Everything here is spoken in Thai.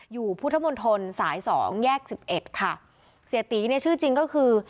อยู่พุทธมนตรสายสองแยกสิบเอ็ดค่ะเสียตีเนี่ยชื่อจริงก็คือ